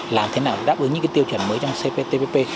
làm thế nào để đáp ứng những tiêu chuẩn mới trong cptpp